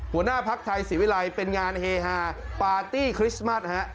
หัวหน้าพักไทยศิวิลัยเป็นงานเฮฮาปาร์ตี้คริสต์มัสนะฮะ